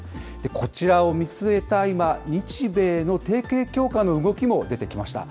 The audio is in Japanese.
こちらを見据えた今、日米の提携強化の動きも出てきました。